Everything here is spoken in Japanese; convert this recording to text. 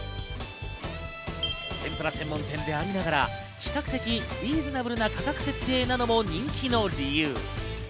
天ぷら専門店でありながら比較的リーズナブルな価格設定なのも人気の理由。